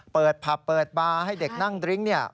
เปิดผับเปิดบาลให้เด็กนั่งดริ้ง